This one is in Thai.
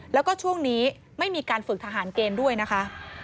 แล้วก็ช่วงนี้ไม่มีการฝึกทหารเกณฑ์ด้วยนะคะ